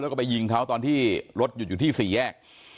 แล้วก็ไปยิงเขาตอนที่รถหยุดอยู่ที่สี่แยก